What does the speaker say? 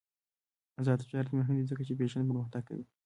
آزاد تجارت مهم دی ځکه چې فیشن پرمختګ کوي.